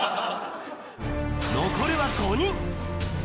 残るは５人。